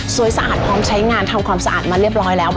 สะอาดพร้อมใช้งานทำความสะอาดมาเรียบร้อยแล้ว